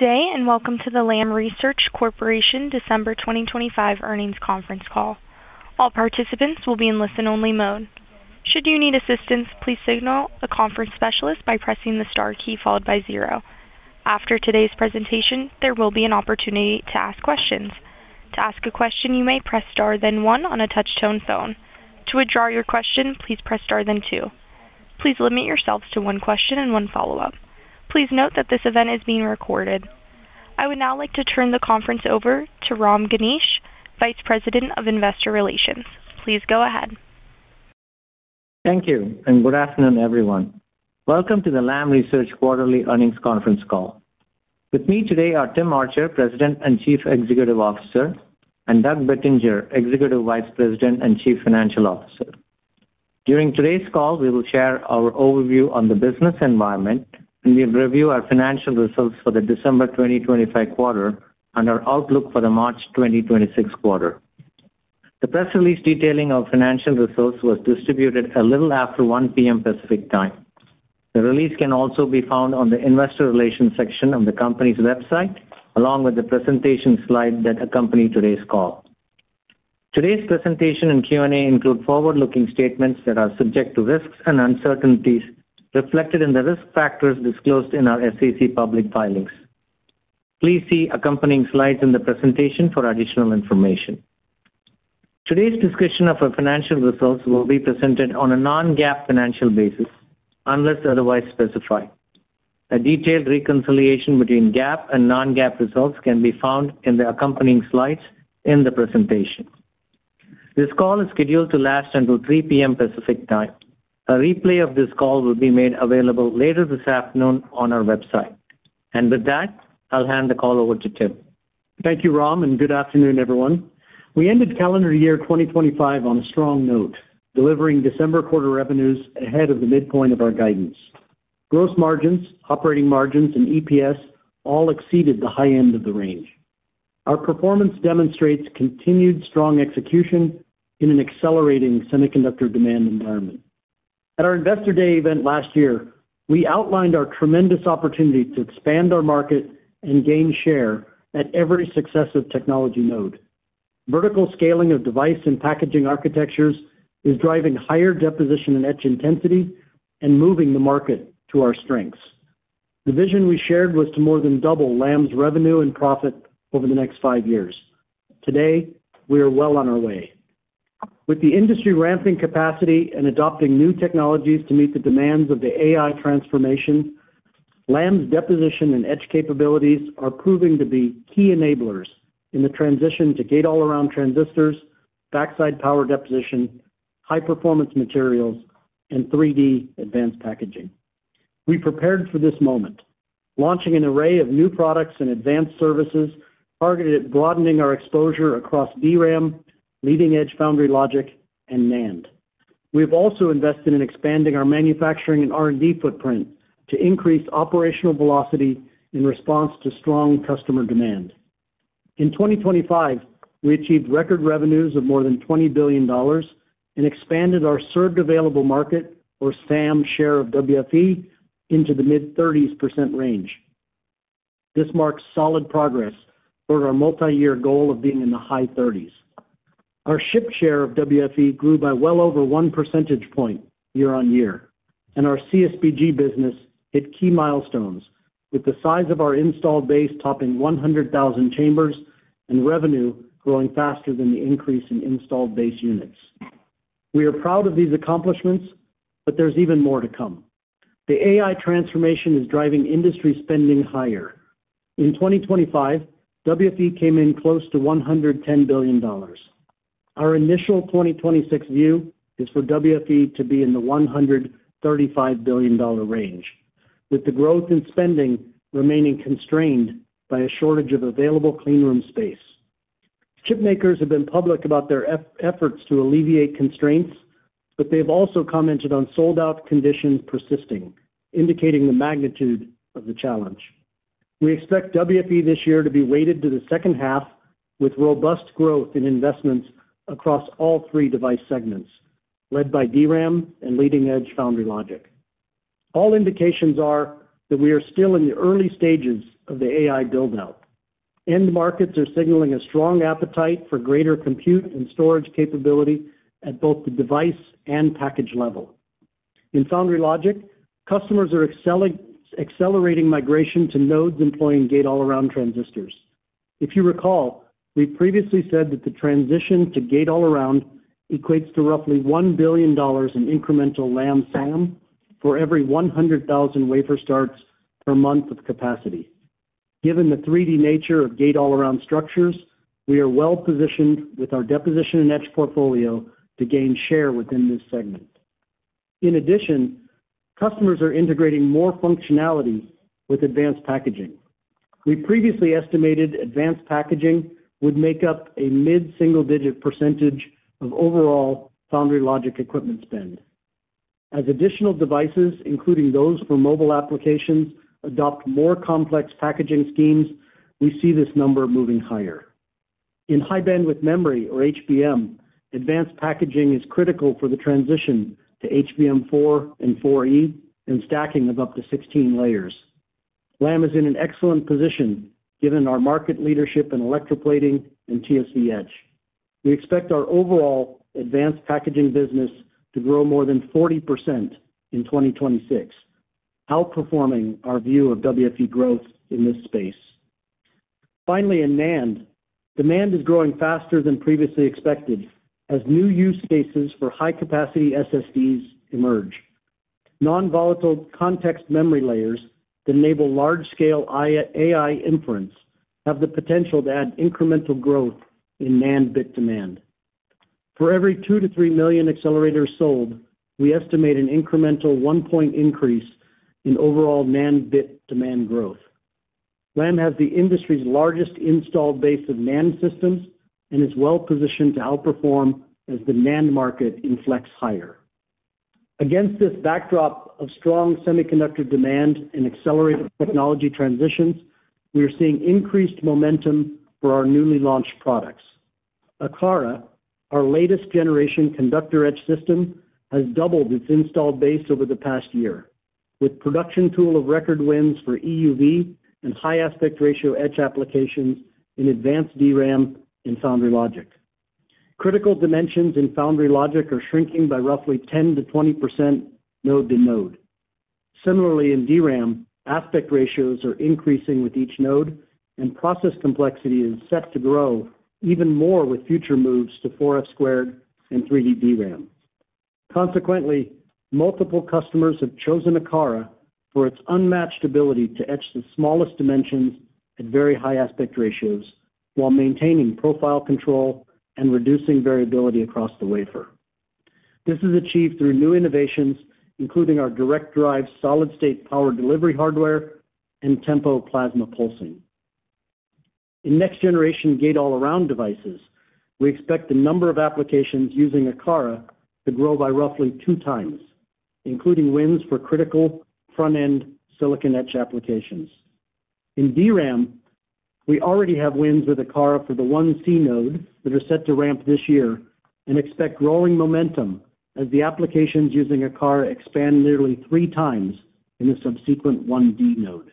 Good day, and welcome to the Lam Research Corporation December 2025 Earnings Conference Call. All participants will be in listen-only mode. Should you need assistance, please signal a conference specialist by pressing the star key followed by zero. After today's presentation, there will be an opportunity to ask questions. To ask a question, you may press star, then one on a touch-tone phone. To withdraw your question, please press star, then two. Please limit yourselves to one question and one follow-up. Please note that this event is being recorded. I would now like to turn the conference over to Ram Ganesh, Vice President of Investor Relations. Please go ahead. Thank you, and good afternoon, everyone. Welcome to the Lam Research Quarterly Earnings Conference Call. With me today are Tim Archer, President and Chief Executive Officer, and Doug Bettinger, Executive Vice President and Chief Financial Officer. During today's call, we will share our overview on the business environment, and we'll review our financial results for the December 2025 quarter and our outlook for the March 2026 quarter. The press release detailing our financial results was distributed a little after 1:00 P.M. Pacific Time. The release can also be found on the Investor Relations section of the company's website, along with the presentation slide that accompany today's call. Today's presentation and Q&A include forward-looking statements that are subject to risks and uncertainties reflected in the risk factors disclosed in our SEC public filings. Please see accompanying slides in the presentation for additional information. Today's discussion of our financial results will be presented on a non-GAAP financial basis, unless otherwise specified. A detailed reconciliation between GAAP and non-GAAP results can be found in the accompanying slides in the presentation. This call is scheduled to last until 3:00 P.M. Pacific Time. A replay of this call will be made available later this afternoon on our website. With that, I'll hand the call over to Tim. Thank you, Ram, and good afternoon, everyone. We ended calendar year 2025 on a strong note, delivering December quarter revenues ahead of the midpoint of our guidance. Gross margins, operating margins, and EPS all exceeded the high end of the range. Our performance demonstrates continued strong execution in an accelerating semiconductor demand environment. At our Investor Day event last year, we outlined our tremendous opportunity to expand our market and gain share at every successive technology node. Vertical scaling of device and packaging architectures is driving higher deposition and etch intensity and moving the market to our strengths. The vision we shared was to more than double Lam's revenue and profit over the next five years. Today, we are well on our way. With the industry ramping capacity and adopting new technologies to meet the demands of the AI transformation, Lam's deposition and etch capabilities are proving to be key enablers in the transition to gate-all-around transistors, backside power deposition, high-performance materials, and 3D advanced packaging. We prepared for this moment, launching an array of new products and advanced services targeted at broadening our exposure across DRAM, leading-edge foundry logic, and NAND. We've also invested in expanding our manufacturing and R&D footprint to increase operational velocity in response to strong customer demand. In 2025, we achieved record revenues of more than $20 billion and expanded our served available market, or SAM, share of WFE into the mid-30s% range. This marks solid progress toward our multiyear goal of being in the high 30s. Our ship share of WFE grew by well over 1 percentage point year-on-year, and our CSBG business hit key milestones, with the size of our installed base topping 100,000 chambers and revenue growing faster than the increase in installed base units. We are proud of these accomplishments, but there's even more to come. The AI transformation is driving industry spending higher. In 2025, WFE came in close to $110 billion. Our initial 2026 view is for WFE to be in the $135 billion range, with the growth in spending remaining constrained by a shortage of available clean room space. Chipmakers have been public about their efforts to alleviate constraints, but they've also commented on sold-out conditions persisting, indicating the magnitude of the challenge. We expect WFE this year to be weighted to the second half, with robust growth in investments across all three device segments, led by DRAM and leading-edge foundry logic. All indications are that we are still in the early stages of the AI build-out. End markets are signaling a strong appetite for greater compute and storage capability at both the device and package level. In foundry logic, customers are accelerating migration to nodes employing gate-all-around transistors. If you recall, we previously said that the transition to gate-all-around equates to roughly $1 billion in incremental Lam SAM for every 100,000 wafer starts per month of capacity. Given the 3D nature of gate-all-around structures, we are well positioned with our deposition and etch portfolio to gain share within this segment. In addition, customers are integrating more functionalities with advanced packaging. We previously estimated advanced packaging would make up a mid-single-digit % of overall foundry logic equipment spend. As additional devices, including those for mobile applications, adopt more complex packaging schemes, we see this number moving higher. In high bandwidth memory, or HBM, advanced packaging is critical for the transition to HBM4 and 4E, and stacking of up to 16 layers. Lam is in an excellent position, given our market leadership in electroplating and TSV etch. We expect our overall advanced packaging business to grow more than 40% in 2026, outperforming our view of WFE growth in this space. Finally, in NAND, demand is growing faster than previously expected, as new use cases for high-capacity SSDs emerge. Non-volatile context memory layers that enable large-scale AI inference have the potential to add incremental growth in NAND bit demand. For every 2-3 million accelerators sold, we estimate an incremental 1-point increase in overall NAND bit demand growth. Lam has the industry's largest installed base of NAND systems and is well positioned to outperform as the NAND market inflects higher. Against this backdrop of strong semiconductor demand and accelerated technology transitions, we are seeing increased momentum for our newly launched products. Akara, our latest generation conductor etch system, has doubled its installed base over the past year, with production tool-of-record wins for EUV and high aspect ratio etch applications in advanced DRAM and foundry logic. Critical dimensions in foundry logic are shrinking by roughly 10%-20% node to node. Similarly, in DRAM, aspect ratios are increasing with each node, and process complexity is set to grow even more with future moves to 4F² and 3D DRAM. Consequently, multiple customers have chosen Akara for its unmatched ability to etch the smallest dimensions at very high aspect ratios while maintaining profile control and reducing variability across the wafer. This is achieved through new innovations, including our DirectDrive, solid-state power delivery hardware, and Tempo plasma pulsing. In next-generation gate-all-around devices, we expect the number of applications using Akara to grow by roughly two times, including wins for critical front-end silicon etch applications. In DRAM, we already have wins with Akara for the 1C node that are set to ramp this year, and expect growing momentum as the applications using Akara expand nearly three times in the subsequent 1D node.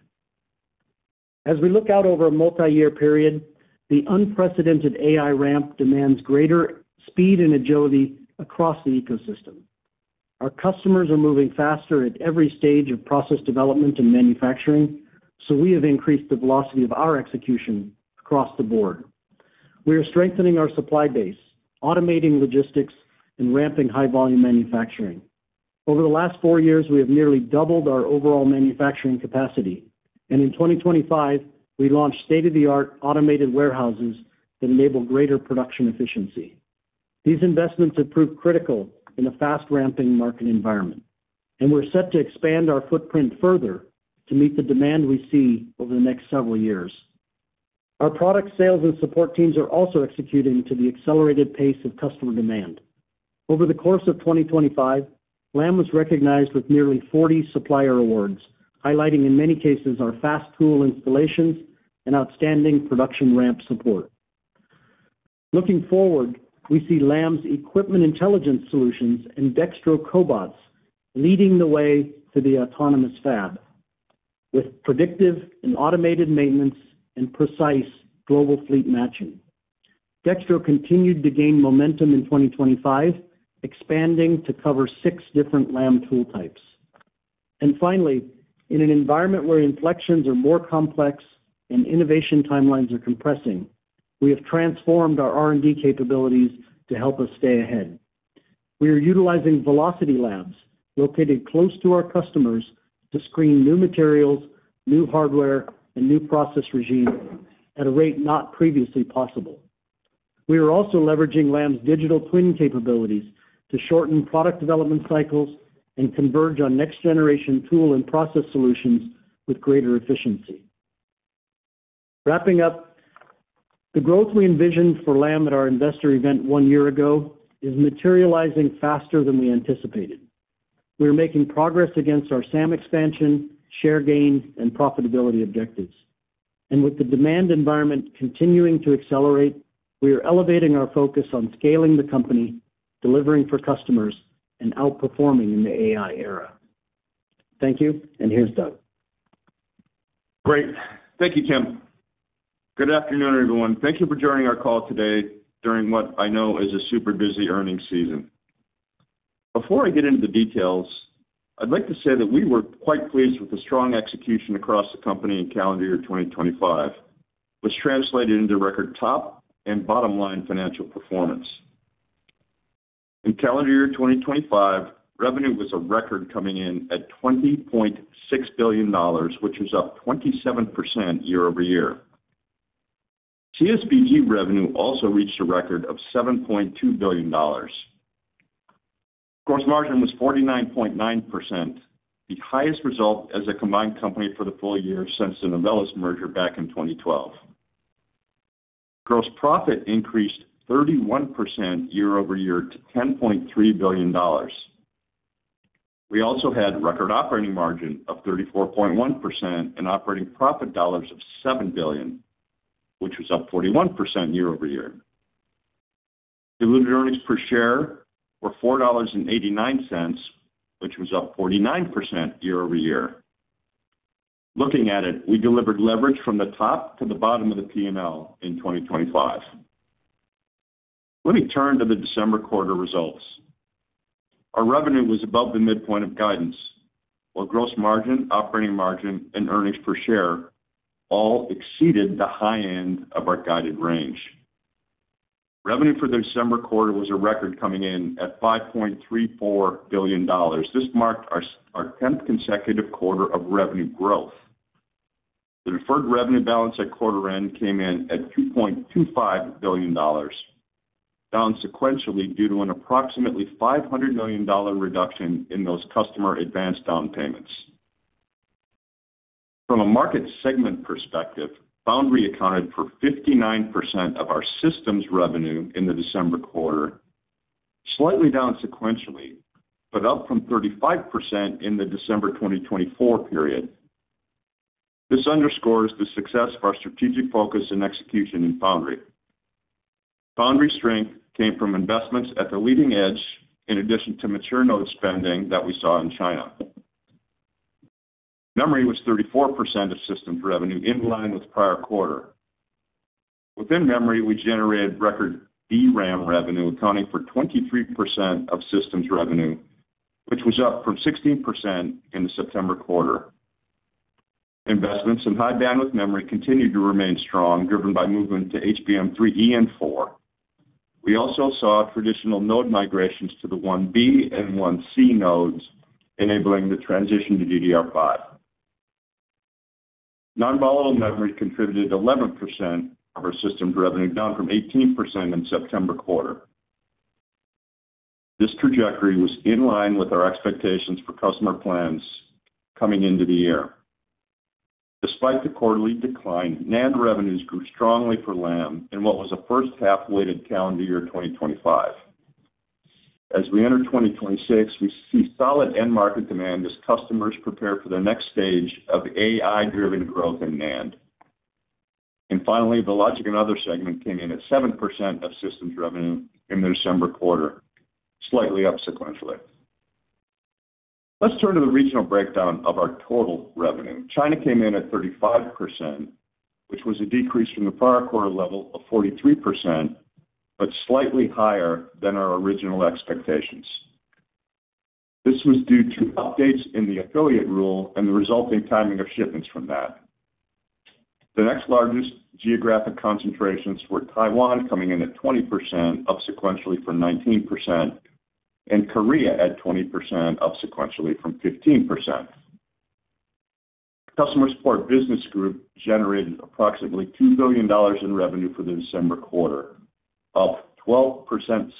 As we look out over a multiyear period, the unprecedented AI ramp demands greater speed and agility across the ecosystem. Our customers are moving faster at every stage of process development and manufacturing, so we have increased the velocity of our execution across the board. We are strengthening our supply base, automating logistics, and ramping high-volume manufacturing. Over the last 4 years, we have nearly doubled our overall manufacturing capacity, and in 2025, we launched state-of-the-art automated warehouses that enable greater production efficiency. These investments have proved critical in a fast-ramping market environment, and we're set to expand our footprint further to meet the demand we see over the next several years. Our product sales and support teams are also executing to the accelerated pace of customer demand. Over the course of 2025, Lam was recognized with nearly 40 supplier awards, highlighting, in many cases, our fast tool installations and outstanding production ramp support. Looking forward, we see Lam's equipment intelligence solutions and Dextro cobots leading the way to the autonomous fab, with predictive and automated maintenance and precise global fleet matching. Dextro continued to gain momentum in 2025, expanding to cover six different Lam tool types. Finally, in an environment where inflections are more complex and innovation timelines are compressing, we have transformed our R&D capabilities to help us stay ahead. We are utilizing velocity labs located close to our customers to screen new materials, new hardware, and new process regimes at a rate not previously possible. We are also leveraging Lam's digital twinning capabilities to shorten product development cycles and converge on next-generation tool and process solutions with greater efficiency. Wrapping up, the growth we envisioned for Lam at our investor event one year ago is materializing faster than we anticipated. We are making progress against our SAM expansion, share gain, and profitability objectives. With the demand environment continuing to accelerate, we are elevating our focus on scaling the company, delivering for customers, and outperforming in the AI era. Thank you, and here's Doug. Great. Thank you, Tim. Good afternoon, everyone. Thank you for joining our call today during what I know is a super busy earnings season. Before I get into the details, I'd like to say that we were quite pleased with the strong execution across the company in calendar year 2025, which translated into record top and bottom-line financial performance. In calendar year 2025, revenue was a record, coming in at $20.6 billion, which was up 27% year-over-year. CSBG revenue also reached a record of $7.2 billion. Gross margin was 49.9%, the highest result as a combined company for the full year since the Novellus merger back in 2012. Gross profit increased 31% year-over-year to $10.3 billion. We also had record operating margin of 34.1% and operating profit dollars of $7 billion, which was up 41% year-over-year. Diluted earnings per share were $4.89, which was up 49% year-over-year. Looking at it, we delivered leverage from the top to the bottom of the P&L in 2025. Let me turn to the December quarter results. Our revenue was above the midpoint of guidance, while gross margin, operating margin, and earnings per share all exceeded the high end of our guided range. Revenue for the December quarter was a record, coming in at $5.34 billion. This marked our 10th consecutive quarter of revenue growth. The deferred revenue balance at quarter end came in at $2.25 billion, down sequentially due to an approximately $500 million reduction in those customer advance down payments. From a market segment perspective, Foundry accounted for 59% of our systems revenue in the December quarter, slightly down sequentially, but up from 35% in the December 2024 period. This underscores the success of our strategic focus and execution in Foundry. Foundry strength came from investments at the leading edge in addition to mature node spending that we saw in China. Memory was 34% of systems revenue, in line with prior quarter. Within memory, we generated record DRAM revenue, accounting for 23% of systems revenue, which was up from 16% in the September quarter. Investments in high bandwidth memory continued to remain strong, driven by movement to HBM3E and 4. We also saw traditional node migrations to the 1B and 1C nodes, enabling the transition to DDR5. Non-volatile memory contributed 11% of our systems revenue, down from 18% in September quarter. This trajectory was in line with our expectations for customer plans coming into the year. Despite the quarterly decline, NAND revenues grew strongly for Lam in what was a first half weighted calendar year, 2025. As we enter 2026, we see solid end market demand as customers prepare for the next stage of AI-driven growth in NAND. And finally, the logic and other segment came in at 7% of systems revenue in the December quarter, slightly up sequentially. Let's turn to the regional breakdown of our total revenue. China came in at 35%, which was a decrease from the prior quarter level of 43%, but slightly higher than our original expectations. This was due to updates in the affiliate rule and the resulting timing of shipments from that. The next largest geographic concentrations were Taiwan, coming in at 20%, up sequentially from 19%, and Korea at 20%, up sequentially from 15%. Customer Support Business Group generated approximately $2 billion in revenue for the December quarter, up 12%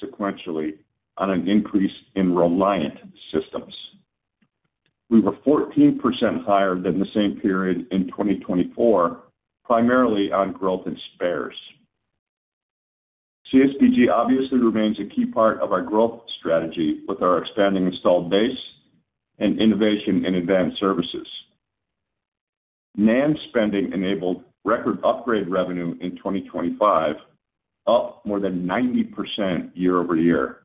sequentially on an increase in Reliant systems. We were 14% higher than the same period in 2024, primarily on growth in spares. CSBG obviously remains a key part of our growth strategy with our expanding installed base and innovation in advanced services. NAND spending enabled record upgrade revenue in 2025, up more than 90% year-over-year.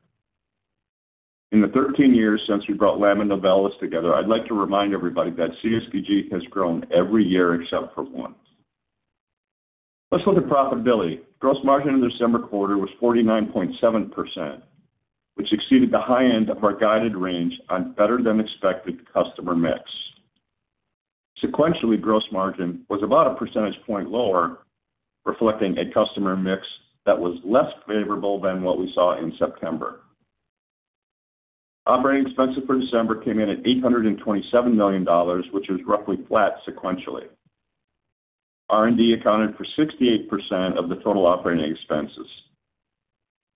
In the 13 years since we brought Lam and Novellus together, I'd like to remind everybody that CSBG has grown every year except for once. Let's look at profitability. Gross margin in the December quarter was 49.7%, which exceeded the high end of our guided range on better-than-expected customer mix. Sequentially, gross margin was about a percentage point lower, reflecting a customer mix that was less favorable than what we saw in September. Operating expenses for December came in at $827 million, which was roughly flat sequentially. R&D accounted for 68% of the total operating expenses.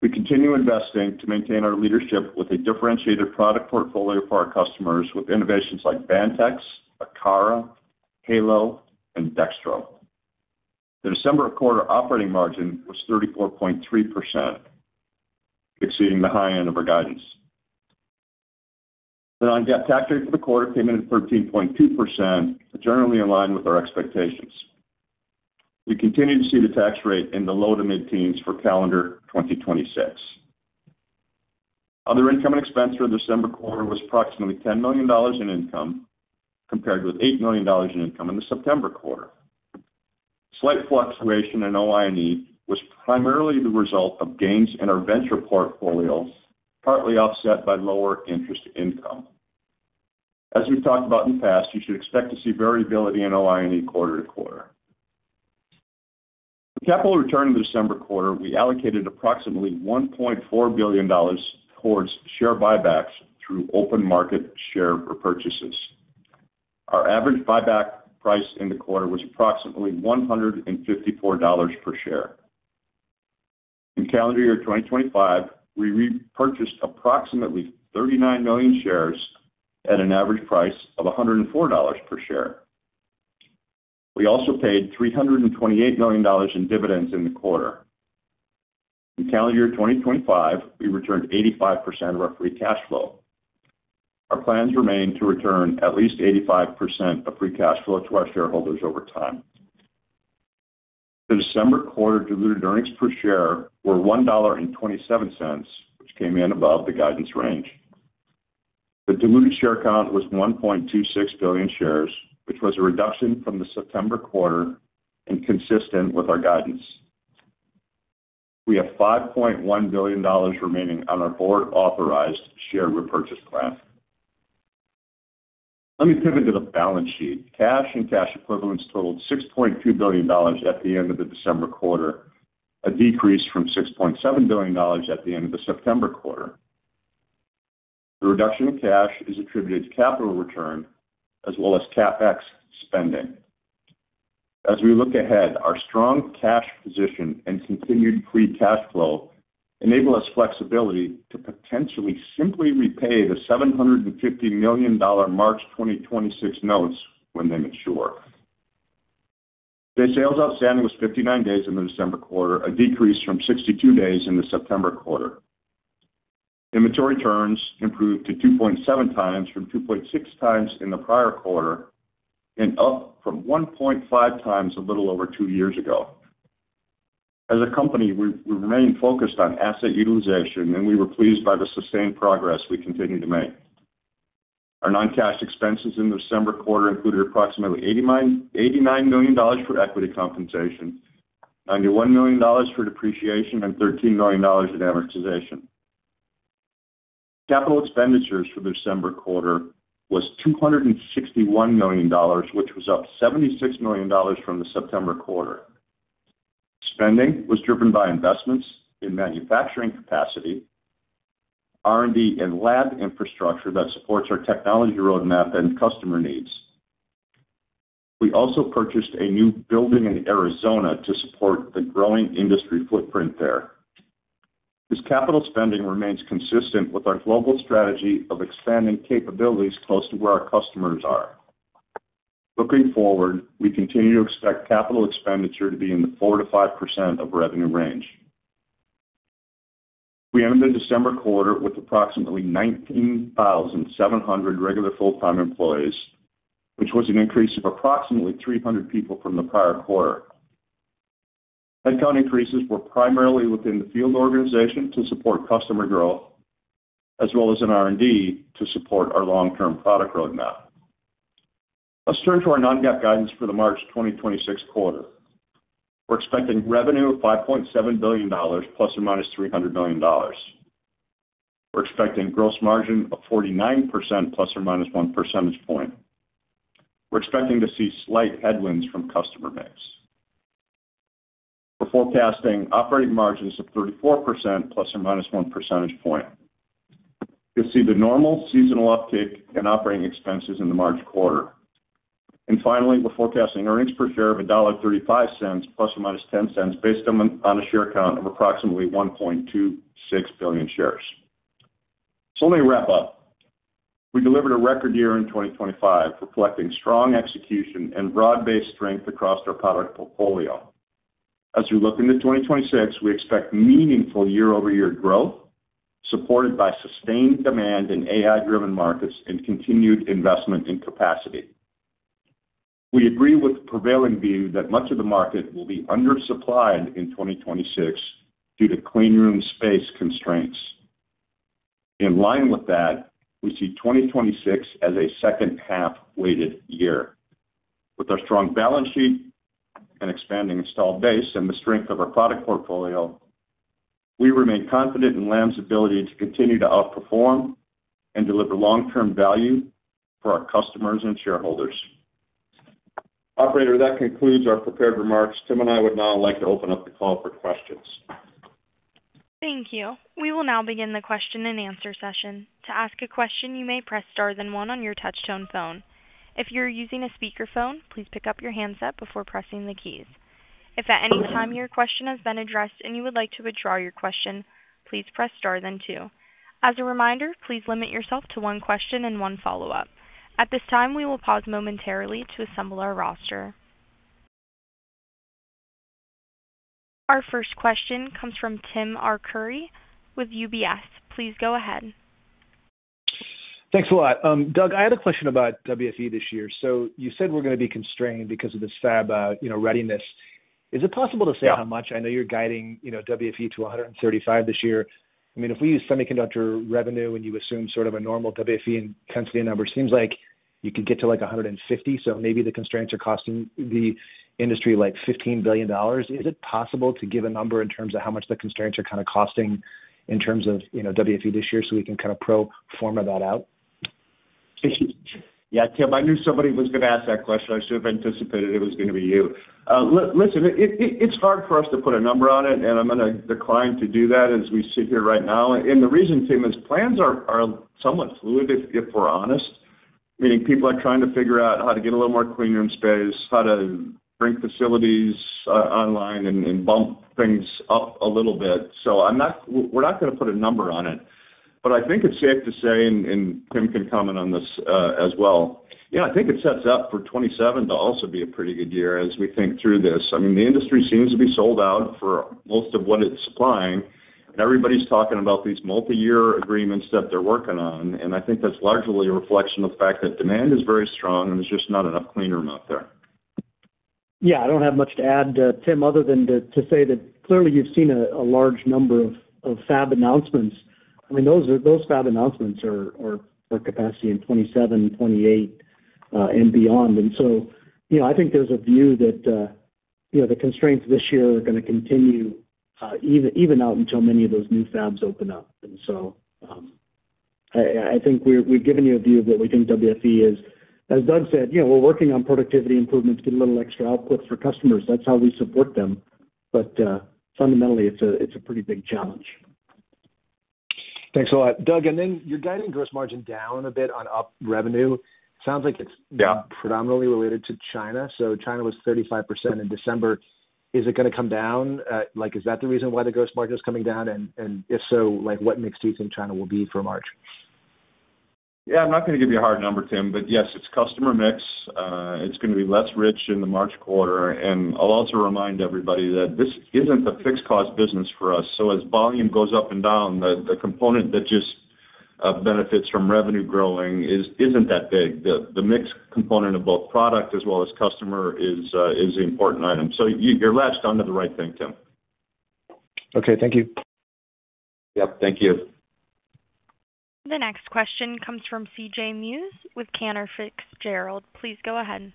We continue investing to maintain our leadership with a differentiated product portfolio for our customers, with innovations like Vantex, Akara, Halo, and Dextro. The December quarter operating margin was 34.3%, exceeding the high end of our guidance. The non-GAAP tax rate for the quarter came in at 13.2%, generally in line with our expectations. We continue to see the tax rate in the low to mid-teens for calendar 2026. Other income and expense for the December quarter was approximately $10 million in income, compared with $8 million in income in the September quarter. Slight fluctuation in OI&E was primarily the result of gains in our venture portfolio, partly offset by lower interest income. As we've talked about in the past, you should expect to see variability in OI&E quarter-to-quarter. The capital return in the December quarter, we allocated approximately $1.4 billion towards share buybacks through open market share repurchases. Our average buyback price in the quarter was approximately $154 per share. In calendar year 2025, we repurchased approximately 39 million shares at an average price of $104 per share. We also paid $328 million in dividends in the quarter. In calendar year 2025, we returned 85% of our free cash flow. Our plans remain to return at least 85% of free cash flow to our shareholders over time. The December quarter diluted earnings per share were $1.27, which came in above the guidance range. The diluted share count was 1.26 billion shares, which was a reduction from the September quarter and consistent with our guidance. We have $5.1 billion remaining on our board-authorized share repurchase plan. Let me pivot to the balance sheet. Cash and cash equivalents totaled $6.2 billion at the end of the December quarter, a decrease from $6.7 billion at the end of the September quarter. The reduction of cash is attributed to capital return as well as CapEx spending. As we look ahead, our strong cash position and continued free cash flow enable us flexibility to potentially simply repay the $750 million March 2026 notes when they mature. Day sales outstanding was 59 days in the December quarter, a decrease from 62 days in the September quarter. Inventory turns improved to 2.7 times from 2.6 times in the prior quarter and up from 1.5 times a little over two years ago. As a company, we remain focused on asset utilization, and we were pleased by the sustained progress we continue to make. Our non-cash expenses in the December quarter included approximately $89 million for equity compensation, $91 million for depreciation, and $13 million in amortization. Capital expenditures for the December quarter was $261 million, which was up $76 million from the September quarter. Spending was driven by investments in manufacturing capacity, R&D, and lab infrastructure that supports our technology roadmap and customer needs. We also purchased a new building in Arizona to support the growing industry footprint there. This capital spending remains consistent with our global strategy of expanding capabilities close to where our customers are. Looking forward, we continue to expect capital expenditure to be in the 4%-5% of revenue range. We ended the December quarter with approximately 19,700 regular full-time employees, which was an increase of approximately 300 people from the prior quarter. Headcount increases were primarily within the field organization to support customer growth, as well as in R&D to support our long-term product roadmap. Let's turn to our non-GAAP guidance for the March 2026 quarter. We're expecting revenue of $5.7 billion, ±$300 million. We're expecting gross margin of 49%, ±1 percentage point. We're expecting to see slight headwinds from customer mix. We're forecasting operating margins of 34%, ±1 percentage point. You'll see the normal seasonal uptick in operating expenses in the March quarter. And finally, we're forecasting earnings per share of $1.35, ±10 cents, based on a share count of approximately 1.26 billion shares. So let me wrap up. We delivered a record year in 2025, reflecting strong execution and broad-based strength across our product portfolio. As we look into 2026, we expect meaningful year-over-year growth, supported by sustained demand in AI-driven markets and continued investment in capacity. We agree with the prevailing view that much of the market will be undersupplied in 2026 due to clean room space constraints. In line with that, we see 2026 as a second half-weighted year. With our strong balance sheet and expanding installed base and the strength of our product portfolio, we remain confident in Lam's ability to continue to outperform and deliver long-term value for our customers and shareholders. Operator, that concludes our prepared remarks. Tim and I would now like to open up the call for questions. Thank you. We will now begin the question-and-answer session. To ask a question, you may press star then one on your touch-tone phone. If you're using a speakerphone, please pick up your handset before pressing the keys. If at any time your question has been addressed and you would like to withdraw your question, please press star then two. As a reminder, please limit yourself to one question and one follow-up. At this time, we will pause momentarily to assemble our roster. Our first question comes from Tim Arcuri with UBS. Please go ahead. Thanks a lot. Doug, I had a question about WFE this year. So you said we're going to be constrained because of this fab, you know, readiness. Is it possible to say how much? I know you're guiding, you know, WFE to 135 this year. I mean, if we use semiconductor revenue, and you assume sort of a normal WFE and intensity number, seems like you could get to, like, 150. So maybe the constraints are costing the industry, like, $15 billion. Is it possible to give a number in terms of how much the constraints are kind of costing in terms of, you know, WFE this year, so we can kind of pro forma that out? Yeah, Tim, I knew somebody was going to ask that question. I should have anticipated it was going to be you. Listen, it's hard for us to put a number on it, and I'm going to decline to do that as we sit here right now. And the reason, Tim, is plans are somewhat fluid, if we're honest, meaning people are trying to figure out how to get a little more Clean Room space, how to bring facilities online and bump things up a little bit. So I'm not, we're not going to put a number on it. But I think it's safe to say, and Tim can comment on this, as well. Yeah, I think it sets up for 2027 to also be a pretty good year as we think through this. I mean, the industry seems to be sold out for most of what it's supplying, and everybody's talking about these multi-year agreements that they're working on. I think that's largely a reflection of the fact that demand is very strong, and there's just not enough clean room out there. Yeah, I don't have much to add, Tim, other than to say that clearly you've seen a large number of fab announcements. I mean, those are those fab announcements are capacity in 2027, 2028, and beyond. And so, you know, I think there's a view that, you know, the constraints this year are gonna continue, even out until many of those new fabs open up. And so, I think we've given you a view of what we think WFE is. As Doug said, you know, we're working on productivity improvements to get a little extra output for customers. That's how we support them. But, fundamentally, it's a pretty big challenge. Thanks a lot. Doug, and then you're guiding gross margin down a bit on up revenue. Sounds like it's- Yeah. predominantly related to China. So China was 35% in December. Is it gonna come down? Like, is that the reason why the gross margin is coming down? And if so, like, what mix do you think China will be for March? Yeah, I'm not gonna give you a hard number, Tim, but yes, it's customer mix. It's gonna be less rich in the March quarter, and I'll also remind everybody that this isn't a fixed cost business for us. So as volume goes up and down, the component that just benefits from revenue growing isn't that big. The mix component of both product as well as customer is the important item. So you're latched onto the right thing, Tim. Okay, thank you. Yep, thank you. The next question comes from C.J. Muse with Cantor Fitzgerald. Please go ahead.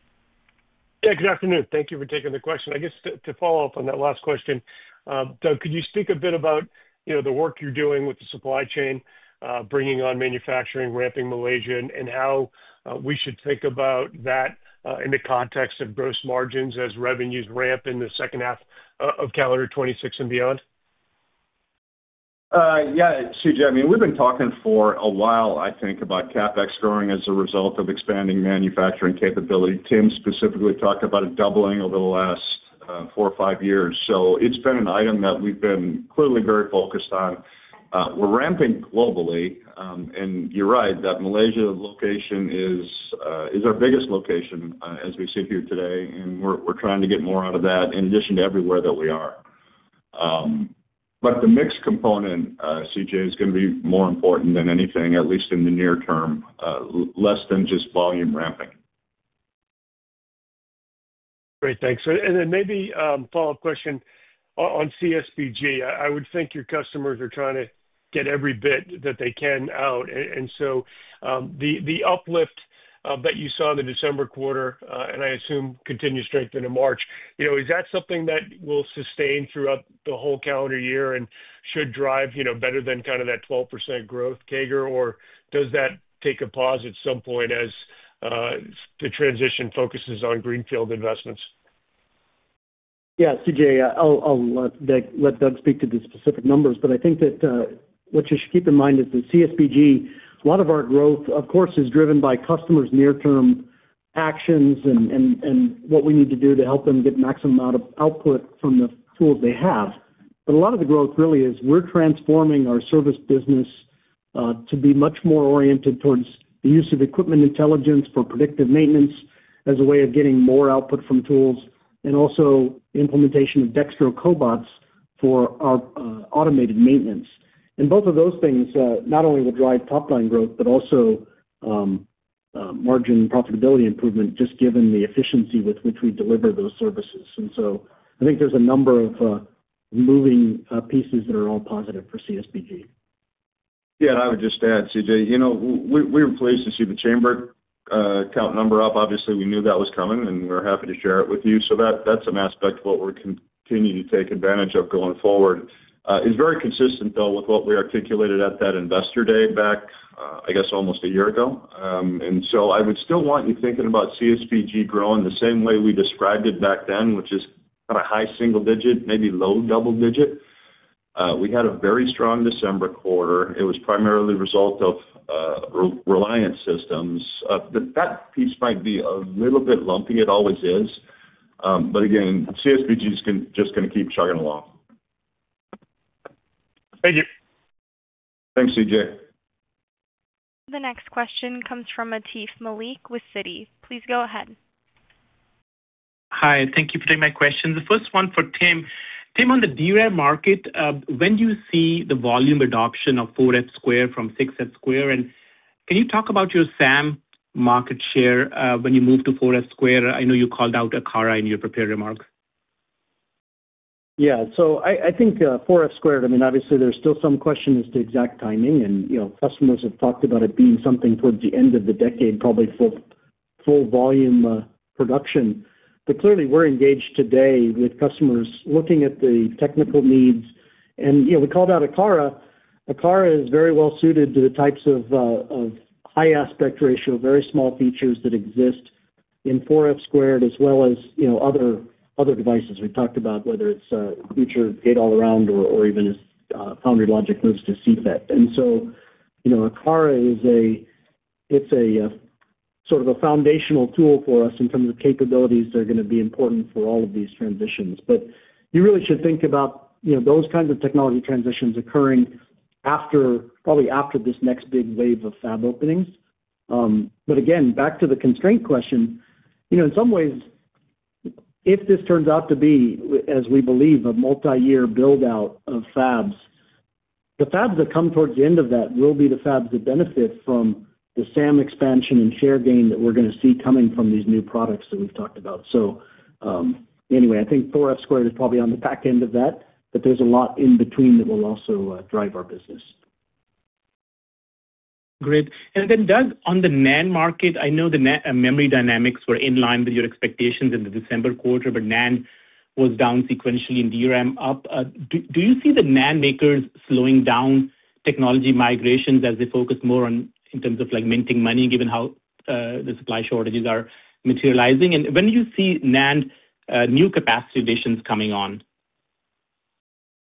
Yeah, good afternoon. Thank you for taking the question. I guess to follow up on that last question, Doug, could you speak a bit about, you know, the work you're doing with the supply chain, bringing on manufacturing, ramping Malaysia, and how we should think about that in the context of gross margins as revenues ramp in the second half of calendar 2026 and beyond? Yeah, C.J., I mean, we've been talking for a while, I think, about CapEx growing as a result of expanding manufacturing capability. Tim specifically talked about it doubling over the last 4 or 5 years. So it's been an item that we've been clearly very focused on. We're ramping globally, and you're right, that Malaysia location is our biggest location as we sit here today, and we're trying to get more out of that, in addition to everywhere that we are. But the mix component, C.J., is gonna be more important than anything, at least in the near term, less than just volume ramping. Great, thanks. And then maybe a follow-up question on CSBG. I would think your customers are trying to get every bit that they can out. And so, the uplift that you saw in the December quarter, and I assume continued strength into March, you know, is that something that will sustain throughout the whole calendar year and should drive, you know, better than kind of that 12% growth CAGR? Or does that take a pause at some point as the transition focuses on greenfield investments? Yeah, C.J., I'll let Doug speak to the specific numbers, but I think that what you should keep in mind is the CSBG. A lot of our growth, of course, is driven by customers' near-term actions and what we need to do to help them get maximum amount of output from the tools they have. But a lot of the growth really is we're transforming our service business to be much more oriented towards the use of equipment intelligence for predictive maintenance as a way of getting more output from tools, and also implementation of Dextro cobots for our automated maintenance. And both of those things not only will drive top line growth, but also margin profitability improvement, just given the efficiency with which we deliver those services. And so I think there's a number of moving pieces that are all positive for CSBG. Yeah, and I would just add, CJ, you know, we were pleased to see the chamber count number up. Obviously, we knew that was coming, and we're happy to share it with you. So that, that's an aspect of what we're continuing to take advantage of going forward. It's very consistent, though, with what we articulated at that Investor Day back, I guess, almost a year ago. And so I would still want you thinking about CSBG growing the same way we described it back then, which is kind of high single digit, maybe low double digit. We had a very strong December quarter. It was primarily the result of Reliance systems. But that piece might be a little bit lumpy. It always is. But again, CSBG is gonna just keep chugging along. Thank you. Thanks, CJ. The next question comes from Atif Malik with Citi. Please go ahead. Hi, thank you for taking my question. The first one for Tim. Tim, on the DRAM market, when do you see the volume adoption of 4F² from 6F²? And can you talk about your SAM market share, when you move to 4F²? I know you called out Akara in your prepared remarks. Yeah. So I, I think, 4F², I mean, obviously there's still some question as to exact timing, and, you know, customers have talked about it being something towards the end of the decade, probably full, full volume, production. But clearly, we're engaged today with customers looking at the technical needs. And, you know, we called out Akara. Akara is very well suited to the types of, of high aspect ratio, very small features that exist in 4F², as well as, you know, other, other devices we've talked about, whether it's, future gate-all-around or, or even as, foundry logic moves to CFET. And so, you know, Akara is a-- it's a, sort of a foundational tool for us in terms of capabilities that are going to be important for all of these transitions. But you really should think about, you know, those kinds of technology transitions occurring after, probably after this next big wave of fab openings. But again, back to the constraint question, you know, in some ways, if this turns out to be, as we believe, a multi-year build-out of fabs, the fabs that come towards the end of that will be the fabs that benefit from the SAM expansion and share gain that we're going to see coming from these new products that we've talked about. So, anyway, I think 4F² is probably on the back end of that, but there's a lot in between that will also drive our business. Great. And then, Doug, on the NAND market, I know the NAND memory dynamics were in line with your expectations in the December quarter, but NAND was down sequentially and DRAM up. Do you see the NAND makers slowing down technology migrations as they focus more on in terms of, like, minting money, given how the supply shortages are materializing? And when do you see NAND new capacity additions coming on?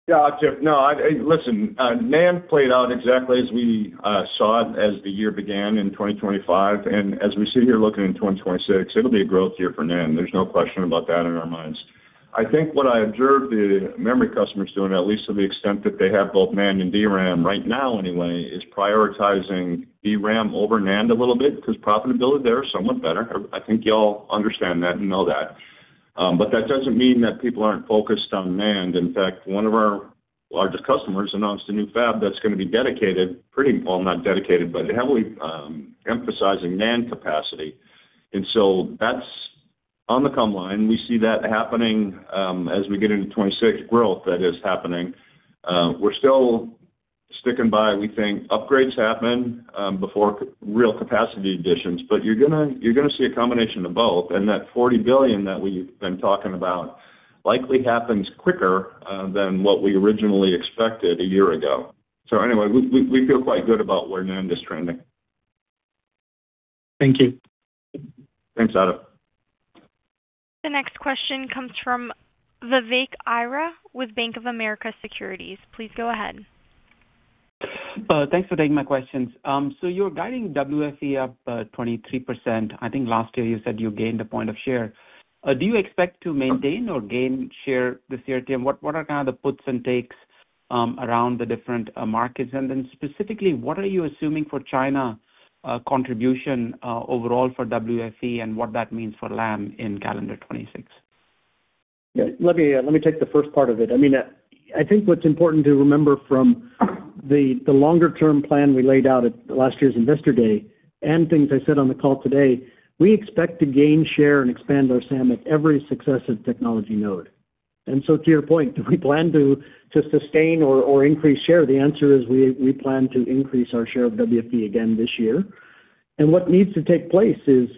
Yeah, Atif. No, I, listen, NAND played out exactly as we saw it as the year began in 2025, and as we sit here looking in 2026, it'll be a growth year for NAND. There's no question about that in our minds. I think what I observed the memory customers doing, at least to the extent that they have both NAND and DRAM right now anyway, is prioritizing DRAM over NAND a little bit because profitability there is somewhat better. I think you all understand that and know that. But that doesn't mean that people aren't focused on NAND. In fact, one of our largest customers announced a new fab that's going to be dedicated, pretty... Well, not dedicated, but heavily emphasizing NAND capacity. And so that's on the come line. We see that happening as we get into 2026 growth; that is happening. We're still sticking by; we think upgrades happen before real capacity additions, but you're gonna, you're gonna see a combination of both. And that $40 billion that we've been talking about likely happens quicker than what we originally expected a year ago. So anyway, we feel quite good about where NAND is trending. Thank you. Thanks, Atif. The next question comes from Vivek Arya with Bank of America Securities. Please go ahead. Thanks for taking my questions. So you're guiding WFE up 23%. I think last year you said you gained a point of share. Do you expect to maintain or gain share this year, Tim? What are kind of the puts and takes around the different markets? And then specifically, what are you assuming for China contribution overall for WFE and what that means for LAM in calendar 2026? Yeah, let me take the first part of it. I mean, I think what's important to remember from the longer-term plan we laid out at last year's Investor Day and things I said on the call today, we expect to gain share and expand our SAM at every successive technology node. And so to your point, do we plan to sustain or increase share? The answer is we plan to increase our share of WFE again this year. And what needs to take place is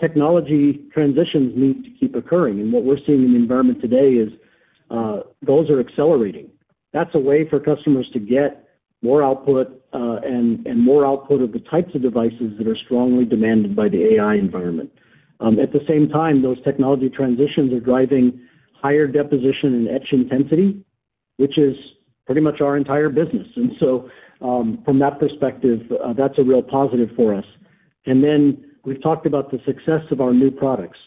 technology transitions need to keep occurring, and what we're seeing in the environment today is those are accelerating. That's a way for customers to get more output, and more output of the types of devices that are strongly demanded by the AI environment. At the same time, those technology transitions are driving higher deposition and etch intensity, which is pretty much our entire business. And so, from that perspective, that's a real positive for us. And then we've talked about the success of our new products.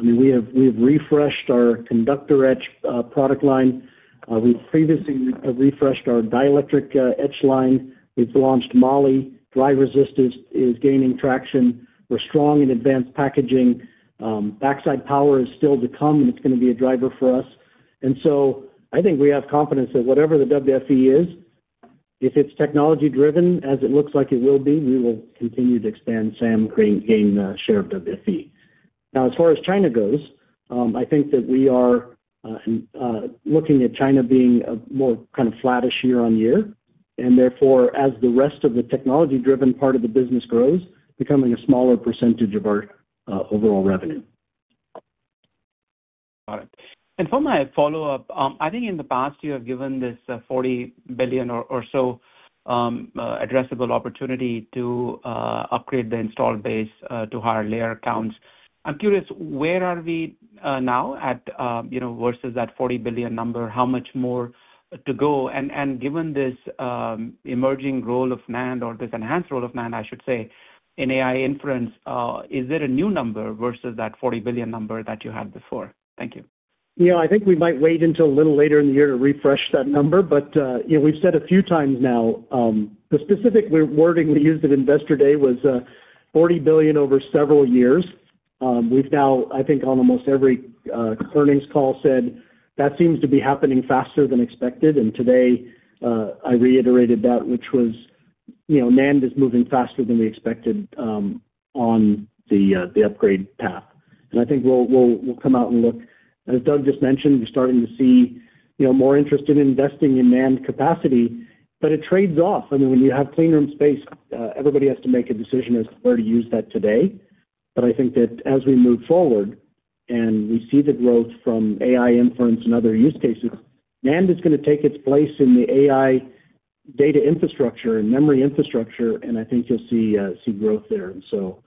I mean, we have refreshed our conductor etch product line. We've previously refreshed our dielectric etch line. We've launched moly. Dry resist is gaining traction. We're strong in advanced packaging. Backside power is still to come, and it's going to be a driver for us. And so I think we have confidence that whatever the WFE is, if it's technology-driven, as it looks like it will be, we will continue to expand SAM, gain share of WFE. Now, as far as China goes, I think that we are looking at China being a more kind of flattish year-on-year, and therefore, as the rest of the technology-driven part of the business grows, becoming a smaller percentage of our overall revenue. Got it. And for my follow-up, I think in the past, you have given this $40 billion or so addressable opportunity to upgrade the installed base to higher layer counts. I'm curious, where are we now at, you know, versus that $40 billion number? How much more to go? And given this emerging role of NAND, or this enhanced role of NAND, I should say, in AI inference, is there a new number versus that $40 billion number that you had before? Thank you. Yeah, I think we might wait until a little later in the year to refresh that number, but, you know, we've said a few times now, the specific wording we used at Investor Day was, $40 billion over several years. We've now, I think, on almost every, earnings call, said that seems to be happening faster than expected. And today, I reiterated that, which was, you know, NAND is moving faster than we expected, on the, the upgrade path. And I think we'll come out and look. As Doug just mentioned, we're starting to see, you know, more interest in investing in NAND capacity, but it trades off. I mean, when you have clean room space, everybody has to make a decision as to where to use that today. But I think that as we move forward and we see the growth from AI inference and other use cases, NAND is going to take its place in the AI data infrastructure and memory infrastructure, and I think you'll see growth there. And so,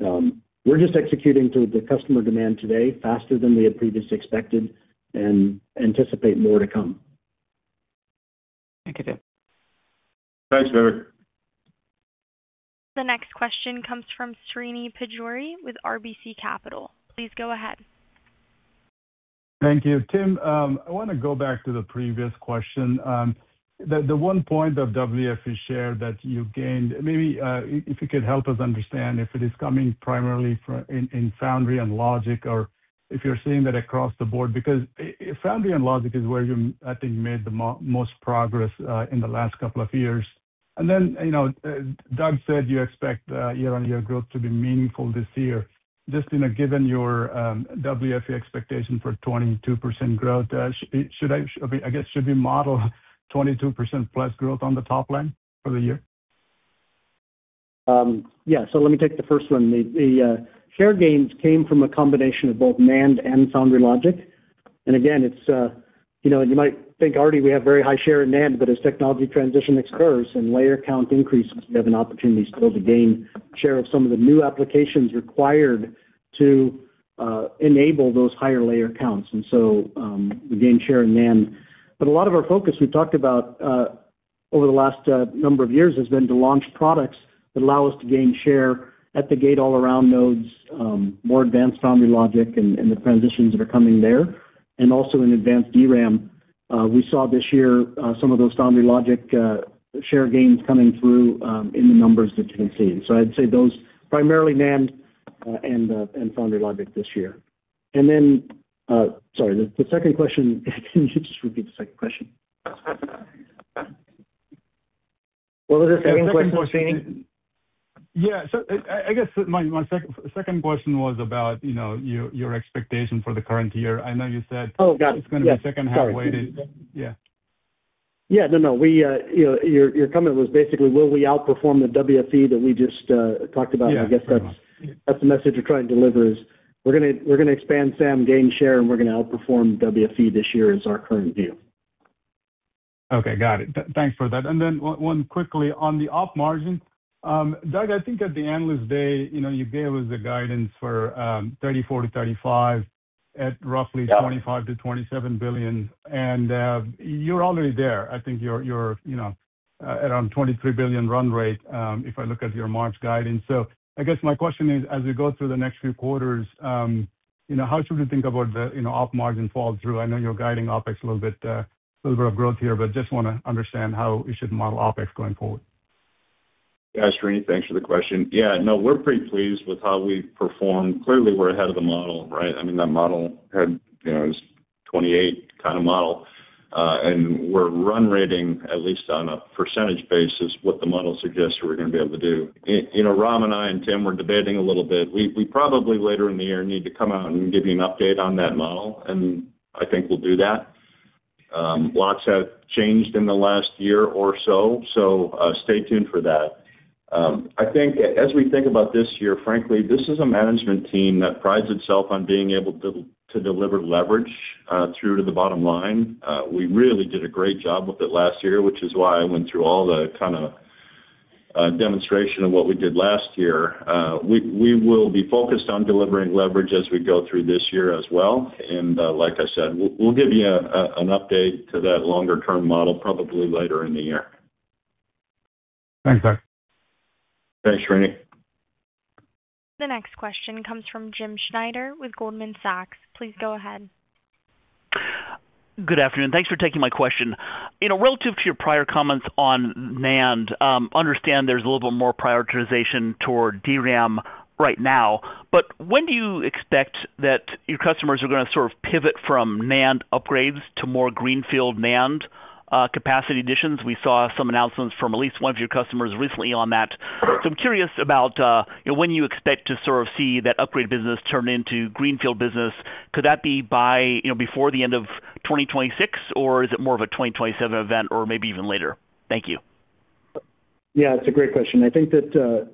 we're just executing to the customer demand today faster than we had previously expected and anticipate more to come. Thank you, Tim. Thanks, Vivek. The next question comes from Srini Pajjuri with RBC Capital. Please go ahead. Thank you. Tim, I want to go back to the previous question. The one point of WFE share that you gained, maybe if you could help us understand if it is coming primarily from foundry and logic, or if you're seeing that across the board, because foundry and logic is where you, I think, made the most progress in the last couple of years. And then, you know, Doug said you expect year-on-year growth to be meaningful this year. Just, you know, given your WFE expectation for 22% growth, should I, I guess, should we model 22%+ growth on the top line for the year? Yeah, so let me take the first one. The share gains came from a combination of both NAND and foundry logic. And again, it's, you know, you might think already we have very high share in NAND, but as technology transition occurs and layer count increases, we have an opportunity still to gain share of some of the new applications required to enable those higher layer counts. And so, we gained share in NAND. But a lot of our focus, we talked about, over the last number of years, has been to launch products that allow us to gain share at the gate-all-around nodes, more advanced foundry logic and the transitions that are coming there, and also in advanced DRAM. We saw this year some of those Foundry Logic share gains coming through in the numbers that you can see. So I'd say those, primarily NAND and Foundry Logic this year. Then, sorry, the second question, can you just repeat the second question? What was the second question, Srini? Yeah, so I guess my second question was about, you know, your expectation for the current year. I know you said- Oh, got it. It's going to be second half weighted. Sorry. Yeah. Yeah, no, no. We, you know, your, your comment was basically will we outperform the WFE that we just talked about? Yeah. I guess that's the message we're trying to deliver: we're gonna expand SAM, gain share, and we're gonna outperform WFE this year. That's our current view. Okay, got it. Thanks for that. Then one quickly. On the op margin, Doug, I think at the Analyst Day, you know, you gave us the guidance for 34-35 at roughly- Yeah... $25 billion-$27 billion, and you're already there. I think you're around $23 billion run rate, if I look at your March guidance. So I guess my question is, as we go through the next few quarters, you know, how should we think about the, you know, Op margin fall through? I know you're guiding OpEx a little bit, a little bit of growth here, but just wanna understand how we should model OpEx going forward. Yeah, Srini, thanks for the question. Yeah, no, we're pretty pleased with how we've performed. Clearly, we're ahead of the model, right? I mean, that model had, you know, is 28 kind of model. And we're run rating, at least on a percentage basis, what the model suggests we're gonna be able to do. You know, Ram and I and Tim were debating a little bit. We probably later in the year need to come out and give you an update on that model, and I think we'll do that. Lots have changed in the last year or so, so stay tuned for that. I think as we think about this year, frankly, this is a management team that prides itself on being able to deliver leverage through to the bottom line. We really did a great job with it last year, which is why I went through all the kind of demonstration of what we did last year. We will be focused on delivering leverage as we go through this year as well. Like I said, we'll give you an update to that longer term model probably later in the year. Thanks, Doug. Thanks, Srini. The next question comes from Jim Schneider with Goldman Sachs. Please go ahead. Good afternoon. Thanks for taking my question. You know, relative to your prior comments on NAND, understand there's a little more prioritization toward DRAM right now, but when do you expect that your customers are gonna sort of pivot from NAND upgrades to more greenfield NAND capacity additions? We saw some announcements from at least one of your customers recently on that. So I'm curious about, you know, when you expect to sort of see that upgrade business turn into greenfield business. Could that be by, you know, before the end of 2026, or is it more of a 2027 event, or maybe even later? Thank you. Yeah, it's a great question. I think that, the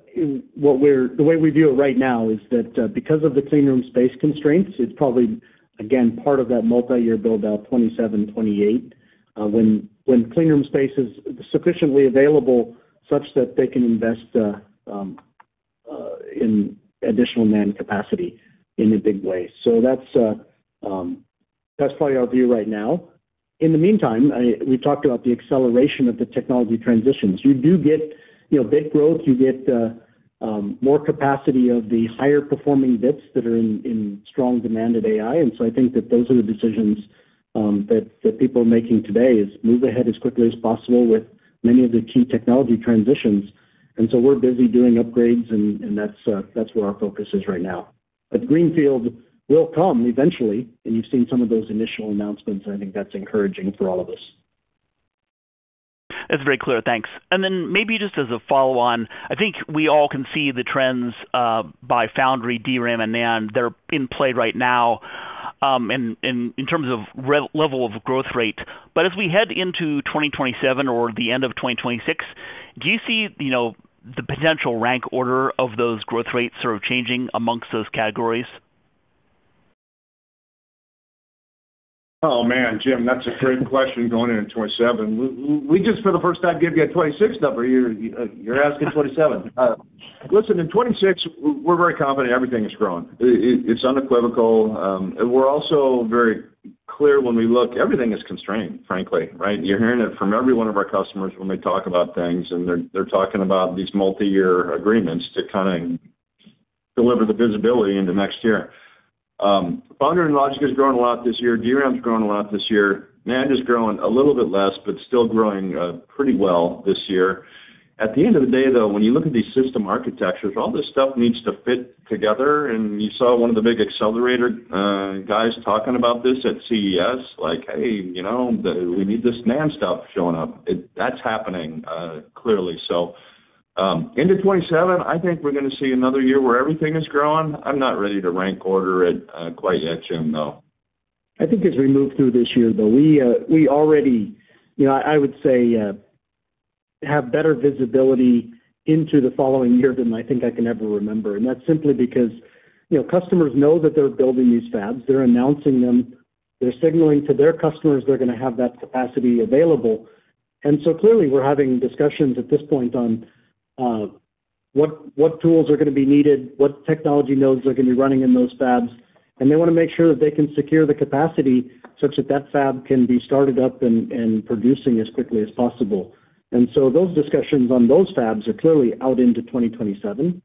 way we view it right now is that, because of the clean room space constraints, it's probably, again, part of that multiyear build-out, 2027, 2028, when clean room space is sufficiently available such that they can invest in additional NAND capacity in a big way. So that's, that's probably our view right now. In the meantime, we've talked about the acceleration of the technology transitions. You do get, you know, bit growth, you get more capacity of the higher performing bits that are in strong demand of AI. And so I think that those are the decisions that people are making today, is move ahead as quickly as possible with many of the key technology transitions. And so we're busy doing upgrades, and that's where our focus is right now. But greenfield will come eventually, and you've seen some of those initial announcements, and I think that's encouraging for all of us. That's very clear. Thanks. And then maybe just as a follow-on, I think we all can see the trends by foundry, DRAM and NAND, they're in play right now, in terms of relative level of growth rate. But as we head into 2027 or the end of 2026, do you see, you know, the potential rank order of those growth rates sort of changing amongst those categories? Oh, man, Jim, that's a great question, going into 2027. We just for the first time gave you a 2026 number. You're, you're asking 2027. Listen, in 2026, we're very confident everything is growing. It, it, it's unequivocal. And we're also very clear when we look, everything is constrained, frankly, right? You're hearing it from every one of our customers when they talk about things, and they're, they're talking about these multiyear agreements to kind of deliver the visibility into next year. Foundry and Logic has grown a lot this year. DRAM's grown a lot this year. NAND is growing a little bit less, but still growing, pretty well this year. At the end of the day, though, when you look at these system architectures, all this stuff needs to fit together, and you saw one of the big accelerator guys talking about this at CES. Like, "Hey, you know, we need this NAND stuff showing up." That's happening, clearly. So, into 2027, I think we're gonna see another year where everything is growing. I'm not ready to rank order it, quite yet, Jim, though. I think as we move through this year, though, we, we already, you know, I would say, have better visibility into the following year than I think I can ever remember. And that's simply because, you know, customers know that they're building these fabs. They're announcing them. They're signaling to their customers they're gonna have that capacity available. And so clearly, we're having discussions at this point on, what, what tools are gonna be needed, what technology nodes are gonna be running in those fabs, and they want to make sure that they can secure the capacity such that that fab can be started up and, and producing as quickly as possible. And so those discussions on those fabs are clearly out into 2027.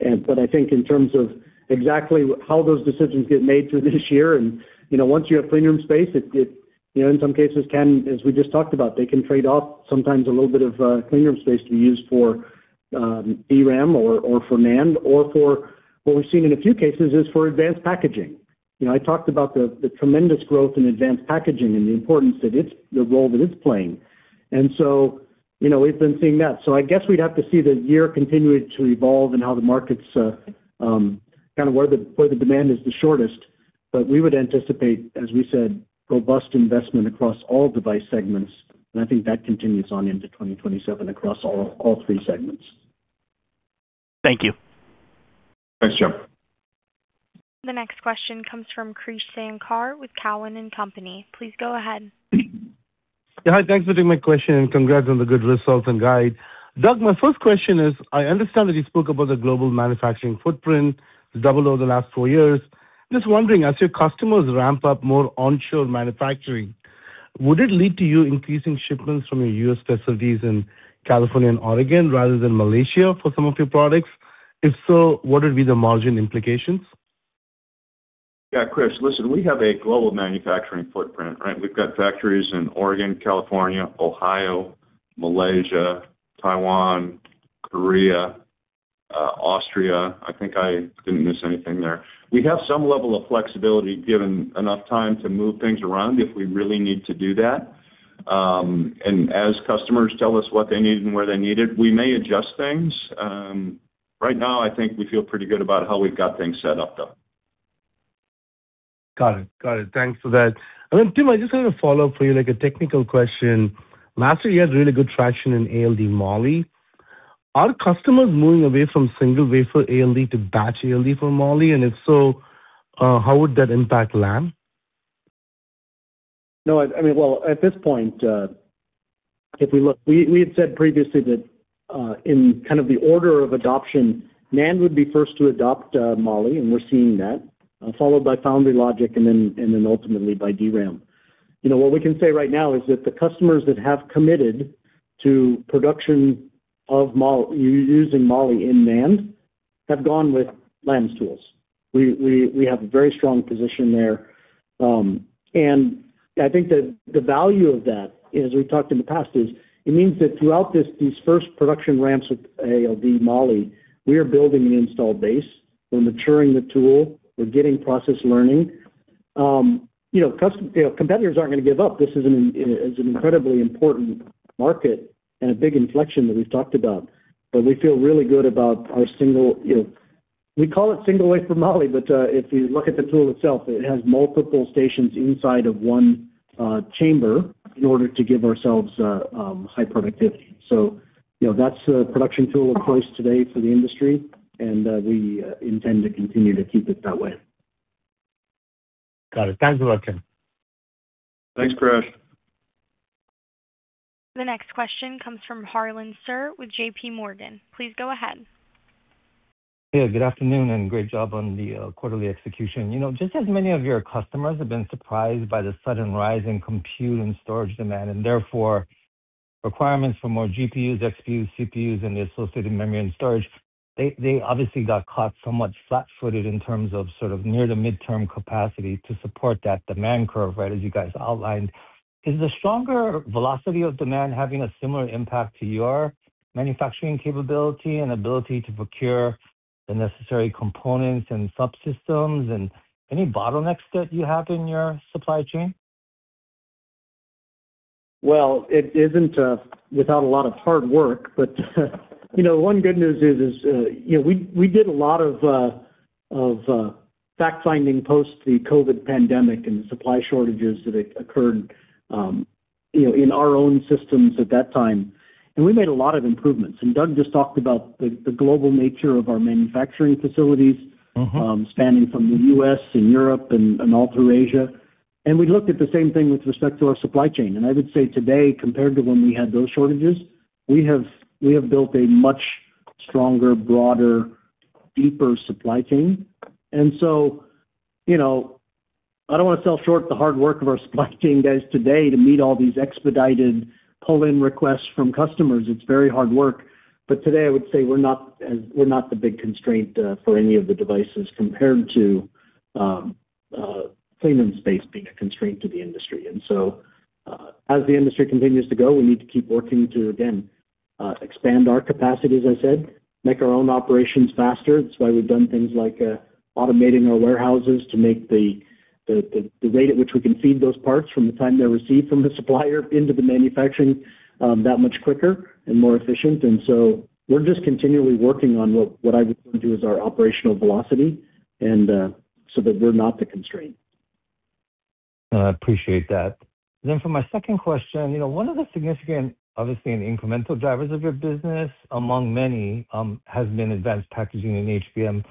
And but I think in terms of exactly how those decisions get made through this year, and, you know, once you have clean room space, it, you know, in some cases can, as we just talked about, they can trade off sometimes a little bit of clean room space to be used for DRAM or for NAND, or for what we've seen in a few cases, is for advanced packaging. You know, I talked about the tremendous growth in advanced packaging and the importance that it's the role that it's playing. And so, you know, we've been seeing that. So I guess we'd have to see the year continue to evolve and how the markets kind of where the demand is the shortest. But we would anticipate, as we said, robust investment across all device segments, and I think that continues on into 2027 across all, all three segments. Thank you. Thanks, Jim. The next question comes from Krish Sankar with Cowen and Company. Please go ahead. Hi, thanks for taking my question, and congrats on the good results and guide. Doug, my first question is, I understand that you spoke about the global manufacturing footprint, it's doubled over the last four years. Just wondering, as your customers ramp up more onshore manufacturing, would it lead to you increasing shipments from your U.S. facilities in California and Oregon rather than Malaysia for some of your products? If so, what would be the margin implications? Yeah, Krish, listen, we have a global manufacturing footprint, right? We've got factories in Oregon, California, Ohio, Malaysia, Taiwan, Korea, Austria. I think I didn't miss anything there. We have some level of flexibility, given enough time to move things around if we really need to do that. And as customers tell us what they need and where they need it, we may adjust things. Right now, I think we feel pretty good about how we've got things set up, though. Got it. Got it. Thanks for that. And then, Tim, I just have a follow-up for you, like a technical question. Last year, you had really good traction in ALD moly. Are customers moving away from single wafer ALD to batch ALD for moly? And if so, how would that impact Lam? No, I mean, well, at this point, if we look... We had said previously that, in kind of the order of adoption, NAND would be first to adopt, moly, and we're seeing that, followed by Foundry Logic and then, and then ultimately by DRAM. You know, what we can say right now is that the customers that have committed to production of moly using moly in NAND, have gone with Lam's tools. We have a very strong position there. And I think that the value of that, as we've talked in the past, is it means that throughout this, these first production ramps with ALD moly, we are building the installed base, we're maturing the tool, we're getting process learning. You know, competitors aren't going to give up. This is an incredibly important market and a big inflection that we've talked about. But we feel really good about our single, you know, we call it single wafer moly, but if you look at the tool itself, it has multiple stations inside of one chamber in order to give ourselves high productivity. So, you know, that's a production tool, of course, today for the industry, and we intend to continue to keep it that way. Got it. Thanks a lot, Tim. Thanks, Krish. The next question comes from Harlan Sur with J.P. Morgan. Please go ahead. Yeah, good afternoon, and great job on the quarterly execution. You know, just as many of your customers have been surprised by the sudden rise in compute and storage demand, and therefore requirements for more GPUs, XPUs, CPUs, and the associated memory and storage, they obviously got caught somewhat flat-footed in terms of sort of near- to midterm capacity to support that demand curve, right, as you guys outlined. Is the stronger velocity of demand having a similar impact to your manufacturing capability and ability to procure the necessary components and subsystems, and any bottlenecks that you have in your supply chain? Well, it isn't without a lot of hard work, but you know, one good news is, you know, we did a lot of fact-finding post the COVID pandemic and the supply shortages that occurred, you know, in our own systems at that time, and we made a lot of improvements. And Doug just talked about the global nature of our manufacturing facilities- Mm-hmm. spanning from the U.S. and Europe and all through Asia. And we looked at the same thing with respect to our supply chain. And I would say today, compared to when we had those shortages, we have built a much stronger, broader, deeper supply chain. And so, you know, I don't want to sell short the hard work of our supply chain guys today to meet all these expedited pull-in requests from customers. It's very hard work, but today, I would say we're not as, we're not the big constraint for any of the devices compared to clean room space being a constraint to the industry. And so, as the industry continues to go, we need to keep working to, again, expand our capacity, as I said, make our own operations faster. That's why we've done things like, automating our warehouses to make the rate at which we can feed those parts from the time they're received from the supplier into the manufacturing, that much quicker and more efficient. And so we're just continually working on what I would refer to as our operational velocity, and so that we're not the constraint. I appreciate that. Then for my second question, you know, one of the significant, obviously, and incremental drivers of your business, among many, has been Advanced Packaging and HBM.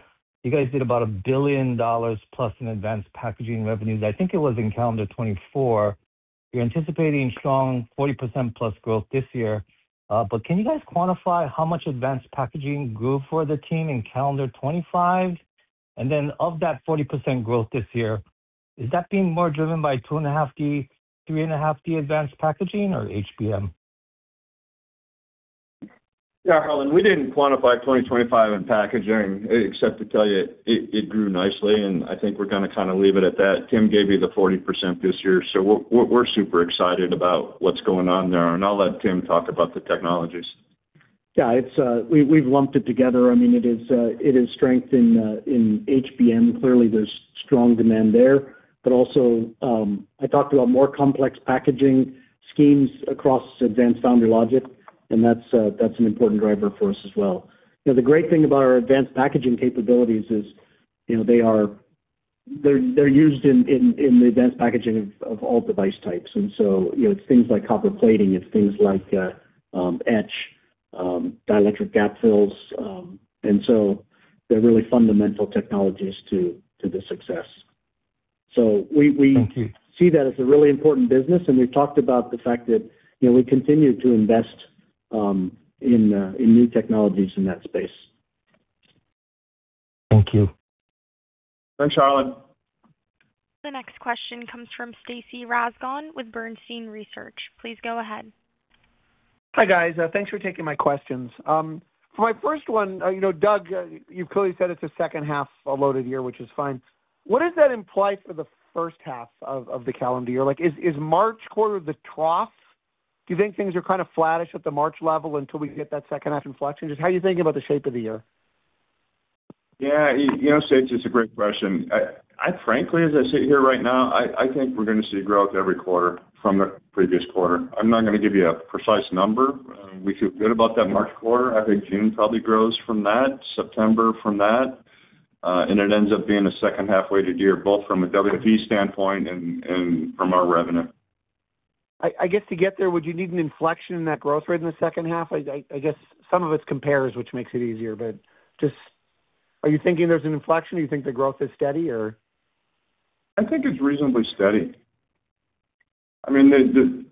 You guys did about $1 billion plus in Advanced Packaging revenues. I think it was in calendar 2024. You're anticipating strong 40% plus growth this year. But can you guys quantify how much Advanced Packaging grew for the team in calendar 2025? And then of that 40% growth this year, is that being more driven by 2.5D, 3.5D Advanced Packaging or HBM? Yeah, Harlan, we didn't quantify 2025 in packaging, except to tell you it grew nicely, and I think we're gonna kind of leave it at that. Tim gave you the 40% this year, so we're super excited about what's going on there. And I'll let Tim talk about the technologies. Yeah, it's we've lumped it together. I mean, it is strength in HBM. Clearly, there's strong demand there. But also, I talked about more complex packaging schemes across advanced foundry logic, and that's an important driver for us as well. You know, the great thing about our advanced packaging capabilities is, you know, they're used in the advanced packaging of all device types. And so, you know, it's things like copper plating, it's things like etch, dielectric gap fills. And so they're really fundamental technologies to the success. So we, we- Thank you. -see that as a really important business, and we've talked about the fact that, you know, we continue to invest in new technologies in that space. Thank you. Thanks, Harlan. The next question comes from Stacy Rasgon with Bernstein Research. Please go ahead. Hi, guys. Thanks for taking my questions. For my first one, you know, Doug, you've clearly said it's a second half loaded year, which is fine. What does that imply for the first half of the calendar year? Like, is March quarter the trough? Do you think things are kind of flattish at the March level until we get that second half inflection? Just how are you thinking about the shape of the year? Yeah, you know, Stacy, it's a great question. I frankly, as I sit here right now, I think we're going to see growth every quarter from the previous quarter. I'm not going to give you a precise number. We feel good about that March quarter. I think June probably grows from that, September from that, and it ends up being a second half-weighted year, both from a WFE standpoint and from our revenue. I guess to get there, would you need an inflection in that growth rate in the second half? I guess some of it's compares, which makes it easier. But just are you thinking there's an inflection? Do you think the growth is steady, or? I think it's reasonably steady. I mean, the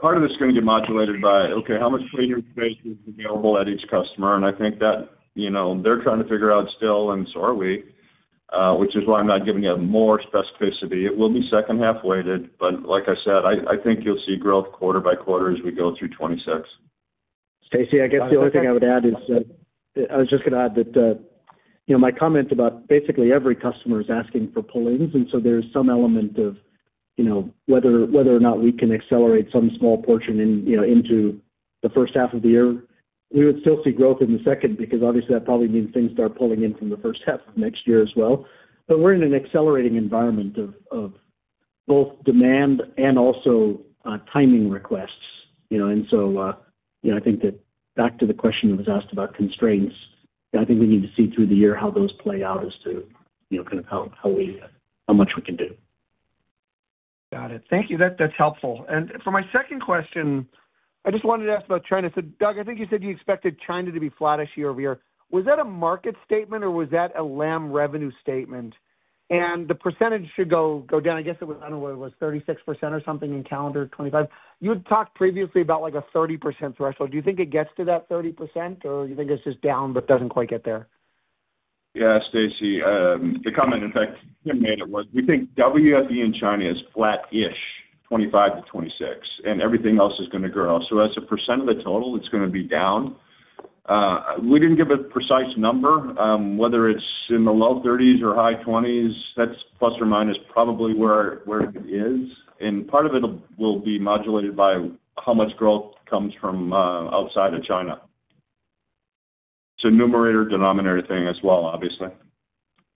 part of it's going to get modulated by, okay, how much clean room space is available at each customer, and I think that, you know, they're trying to figure out still, and so are we, which is why I'm not giving you more specificity. It will be second half-weighted, but like I said, I think you'll see growth quarter by quarter as we go through 2026. Stacy, I guess the only thing I would add is that—I was just going to add that, you know, my comment about basically every customer is asking for pull-ins, and so there is some element of, you know, whether, whether or not we can accelerate some small portion in, you know, into the first half of the year. We would still see growth in the second, because obviously, that probably means things start pulling in from the first half of next year as well. But we're in an accelerating environment of, of both demand and also, timing requests, you know. And so, you know, I think that back to the question that was asked about constraints, I think we need to see through the year how those play out as to, you know, kind of how, how we, how much we can do. Got it. Thank you. That's helpful. And for my second question, I just wanted to ask about China. So Doug, I think you said you expected China to be flattish year-over-year. Was that a market statement, or was that a Lam revenue statement? And the percentage should go down. I guess it was, I don't know what it was, 36% or something in calendar 2025. You had talked previously about, like, a 30% threshold. Do you think it gets to that 30%, or you think it's just down but doesn't quite get there? Yeah, Stacy, the comment, in fact, Tim made, it was, we think WFE in China is flattish, 25%-26%, and everything else is going to grow. So as a % of the total, it's going to be down. We didn't give a precise number. Whether it's in the low 30s or high 20s, that's ± probably where it is. And part of it'll be modulated by how much growth comes from outside of China. It's a numerator, denominator thing as well, obviously.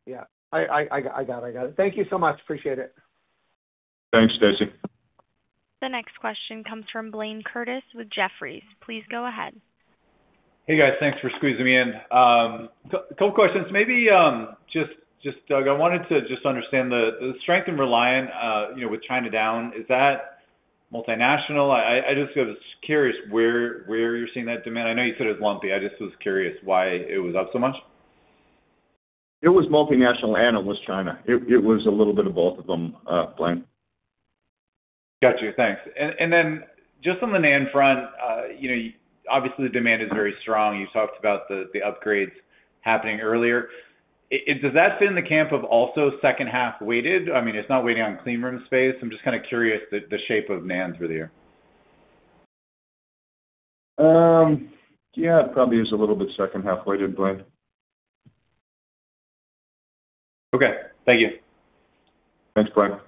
Yeah, I got it. I got it. Thank you so much. Appreciate it. Thanks, Stacy. The next question comes from Blayne Curtis with Jefferies. Please go ahead. Hey, guys. Thanks for squeezing me in. Couple questions. Maybe just Doug, I wanted to just understand the strength in Reliant, you know, with China down, is that multinational? I just was curious where you're seeing that demand. I know you said it was lumpy. I just was curious why it was up so much. It was multinational and it was China. It, it was a little bit of both of them, Blayne. Got you. Thanks. And then just on the NAND front, you know, obviously, the demand is very strong. You talked about the upgrades happening earlier. Does that fit in the camp of also second half weighted? I mean, it's not waiting on clean room space. I'm just kind of curious the shape of NANDs with you. Yeah, it probably is a little bit second half weighted, Blayne. Okay, thank you. Thanks, Blayne.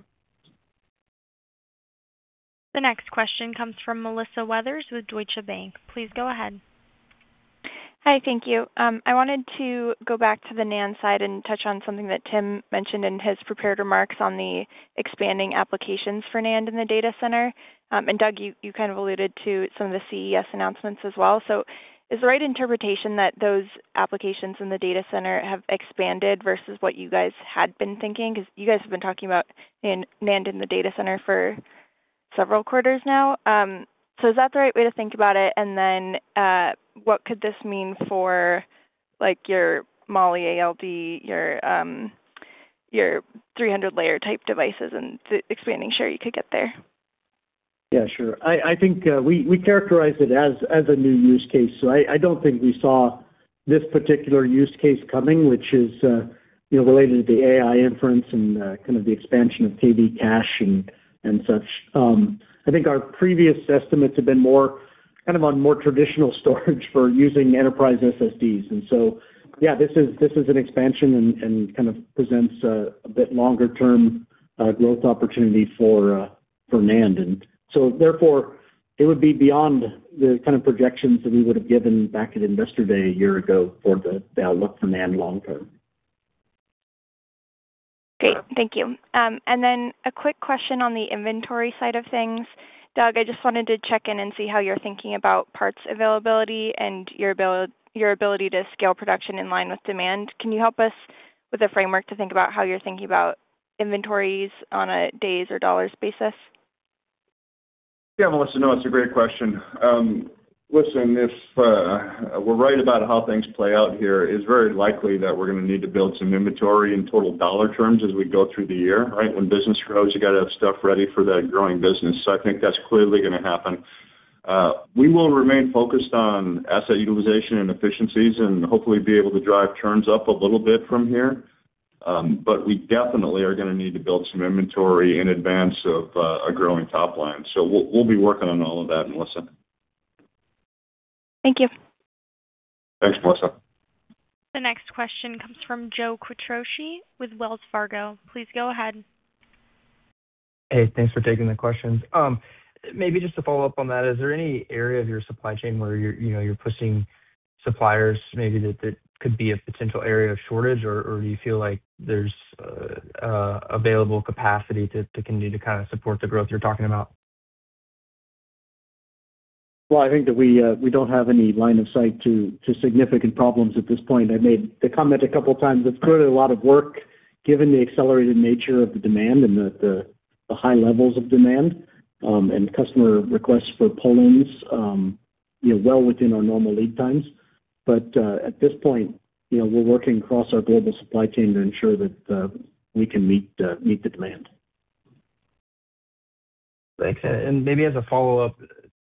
The next question comes from Melissa Weathers with Deutsche Bank. Please go ahead. Hi, thank you. I wanted to go back to the NAND side and touch on something that Tim mentioned in his prepared remarks on the expanding applications for NAND in the data center. And Doug, you, you kind of alluded to some of the CES announcements as well. So is the right interpretation that those applications in the data center have expanded versus what you guys had been thinking? Because you guys have been talking about NAND, NAND in the data center for several quarters now. So is that the right way to think about it? And then, what could this mean for, like, your moly ALD, your, your 300-layer type devices and the expanding share you could get there? Yeah, sure. I think we characterize it as a new use case. So I don't think we saw this particular use case coming, which is, you know, related to the AI inference and kind of the expansion of KV cache and such. I think our previous estimates have been more kind of on more traditional storage for using enterprise SSDs. And so, yeah, this is an expansion and kind of presents a bit longer term growth opportunity for NAND. And so therefore, it would be beyond the kind of projections that we would have given back at Investor Day a year ago for the outlook for NAND long term. Great, thank you. And then a quick question on the inventory side of things. Doug, I just wanted to check in and see how you're thinking about parts availability and your ability to scale production in line with demand. Can you help us with a framework to think about how you're thinking about inventories on a days or dollars basis? Yeah, Melissa, no, it's a great question. Listen, if we're right about how things play out here, it's very likely that we're going to need to build some inventory in total dollar terms as we go through the year, right? When business grows, you got to have stuff ready for that growing business, so I think that's clearly going to happen. We will remain focused on asset utilization and efficiencies and hopefully be able to drive turns up a little bit from here. But we definitely are going to need to build some inventory in advance of a growing top line. So we'll, we'll be working on all of that, Melissa. Thank you. Thanks, Melissa. The next question comes from Joe Quattrocchi with Wells Fargo. Please go ahead. Hey, thanks for taking the questions. Maybe just to follow up on that, is there any area of your supply chain where you're, you know, you're pushing suppliers, maybe that, that could be a potential area of shortage, or, or do you feel like there's available capacity to, to continue to kind of support the growth you're talking about? Well, I think that we, we don't have any line of sight to, to significant problems at this point. I made the comment a couple of times. It's clearly a lot of work, given the accelerated nature of the demand and the high levels of demand, and customer requests for pullings, you know, well within our normal lead times. But, at this point, you know, we're working across our global supply chain to ensure that, we can meet the, meet the demand. Thanks. And maybe as a follow-up,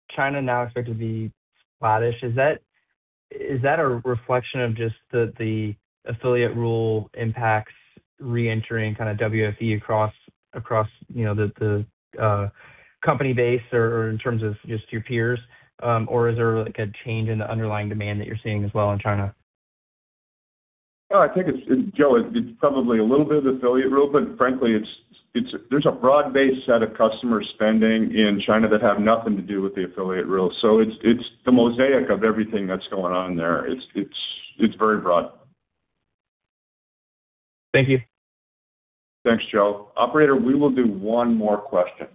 China now expected to be flattish. Is that, is that a reflection of just the, the affiliate rule impacts reentering kind of WFE across, across, you know, the, the company base or, or in terms of just your peers? Or is there, like, a change in the underlying demand that you're seeing as well in China? Well, I think it's, Joe, it's probably a little bit of affiliate rule, but frankly, it's, it's, there's a broad-based set of customer spending in China that have nothing to do with the affiliate rule. So it's, it's, it's very broad. Thank you. Thanks, Joe. Operator, we will do one more question.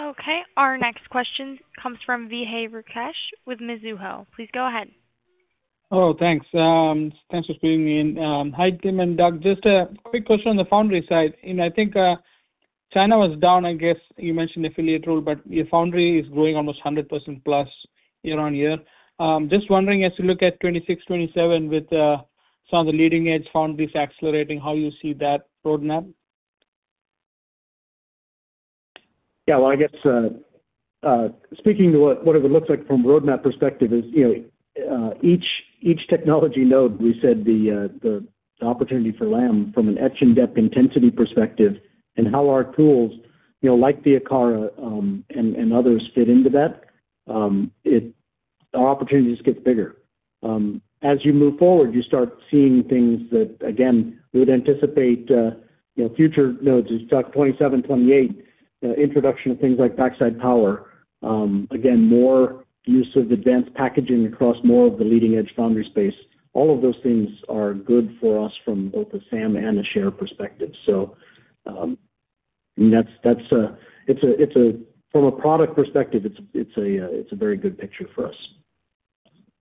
Okay, our next question comes from Vijay Rakesh with Mizuho. Please go ahead. Oh, thanks. Thanks for putting me in. Hi, Tim and Doug. Just a quick question on the foundry side. And I think, China was down, I guess you mentioned the affiliate rule, but your foundry is growing almost 100% plus year-on-year. Just wondering, as you look at 2026, 2027, with some of the leading-edge foundries accelerating, how you see that roadmap? Yeah, well, I guess, speaking to what it looks like from a roadmap perspective is, you know, each technology node, we said the opportunity for Lam from an etch-and-dep intensity perspective and how our tools, you know, like the Akara, and others fit into that. Our opportunities get bigger. As you move forward, you start seeing things that, again, we would anticipate, you know, future nodes such as 27, 28, introduction of things like backside power. Again, more use of advanced packaging across more of the leading-edge foundry space. All of those things are good for us from both a SAM and a share perspective. So, and that's, it's a, from a product perspective, it's a very good picture for us.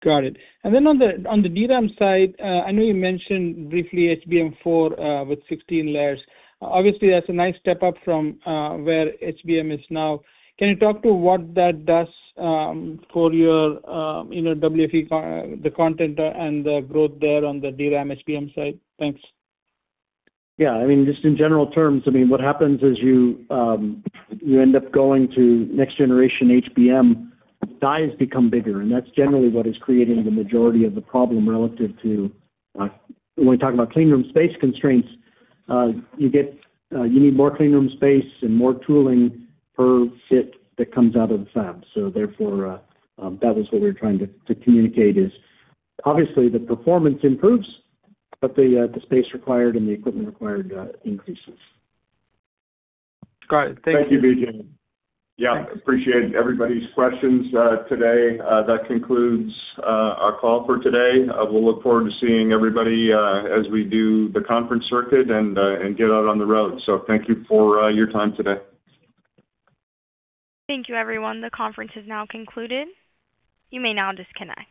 Got it. And then on the DRAM side, I know you mentioned briefly HBM4 with 16 layers. Obviously, that's a nice step up from where HBM is now. Can you talk to what that does for your, you know, WFE, the content and the growth there on the DRAM HBM side? Thanks. Yeah, I mean, just in general terms, I mean, what happens is you end up going to next generation HBM, dies become bigger, and that's generally what is creating the majority of the problem relative to when we talk about clean room space constraints. You need more clean room space and more tooling per fit that comes out of the fab. So therefore, that is what we're trying to communicate is, obviously, the performance improves, but the space required and the equipment required increases. Got it. Thank you. Thank you, Vijay. Yeah, appreciate everybody's questions today. That concludes our call for today. We'll look forward to seeing everybody as we do the conference circuit and, and get out on the road. So thank you for your time today. Thank you, everyone. The conference is now concluded. You may now disconnect.